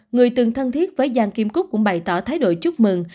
người từng thân thiết với giang kim cúc cũng bày tỏ thái độ chúc mừng